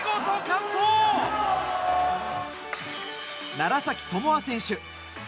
楢崎智亜選手。